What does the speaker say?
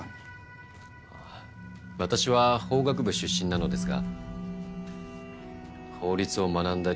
私は法学部出身なのですが法律を学んだ理由は。